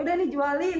udah nih jualin